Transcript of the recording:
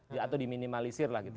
ya atau diminimalisir lah gitu